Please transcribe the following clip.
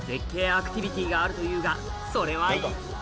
アクティビティがあるというがそれは一体？